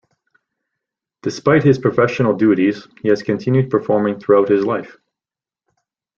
Despite his professional duties, he has continued performing throughout his life.